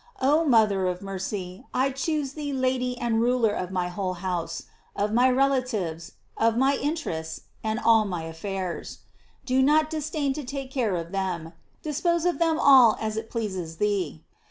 Oh moth er of mercy, I choose thee Lady and ruler ef my whole house, of my relatives, my interests, and all my affairs. Do not disdain to take care of them; dispose of them all as it pleases thee.